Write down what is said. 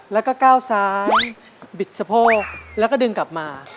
แล้วก็ก้าวซ้ายบิดสะโพกแล้วก็ดึงกลับมา